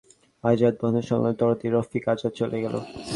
কবি রফিক আজাদ, প্রেমিক রফিক আজাদ, বন্ধুবৎসল দরদি রফিক আজাদ চলেই গেল।